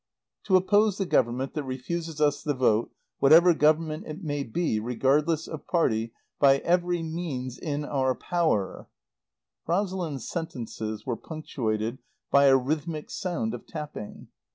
" To oppose the Government that refuses us the vote, whatever Government it may be, regardless of party, by every means in our power." Rosalind's sentences were punctuated by a rhythmic sound of tapping.